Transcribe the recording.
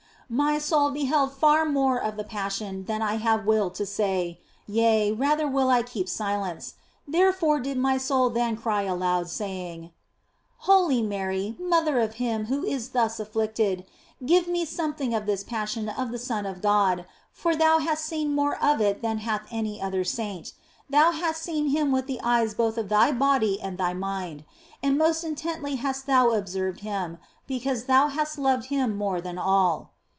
My soul beheld far more of the Passion than I have will to say, yea, rather will I keep silence. Therefore did my soul then cry aloud, saying :" Holy Mary, mother of Him who is thus afflicted, give me something of this Passion of the Son of God, for thou hast seen more of it than hath any other saint. Thou hast seen Him with the eyes both of thy body and thy mind, and most intently hast thou observed Him, because thou hast loved Him more than all."